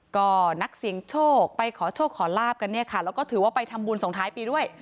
ก็นักเสียงโชคไปขอโชคขอลาบกันเนี่ยค่ะแล้วก็ถือว่าไปทำบุญส่งท้ายปีด้วย